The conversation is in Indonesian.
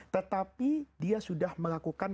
tetapi dia sudah melakukan